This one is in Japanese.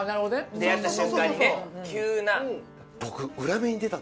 出会った瞬間にね。